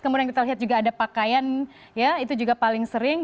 kemudian kita lihat juga ada pakaian ya itu juga paling sering